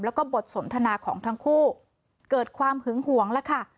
แล้วก็บทสนทนาของทั้งคู่เกิดความหึงหวงแล้วค่ะ